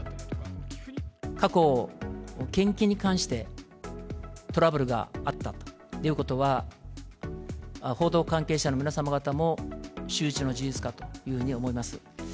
過去、献金に関して、トラブルがあったということは報道関係者の皆様方も周知の事実かというふうに思います。